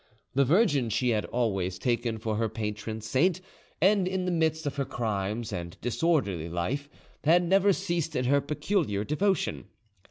The Virgin she had always taken for her patron saint, and in the midst of her crimes and disorderly life had never ceased in her peculiar devotion.